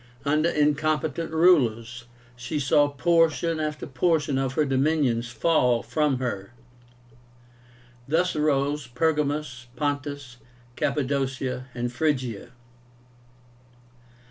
Under incompetent rulers, she saw portion after portion of her dominions fall from her. Thus arose Pergamus, Pontus, Cappadocia, and Phrygia.